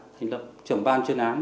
thành lập trưởng ban chuyên án